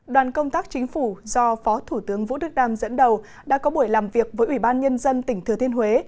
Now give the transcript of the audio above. đoàn công tác chính phủ do phó thủ tướng vũ đức đam dẫn đầu đã có buổi làm việc với ủy ban nhân dân tỉnh thừa thiên huế